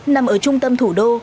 đang ở trung tâm thủ đô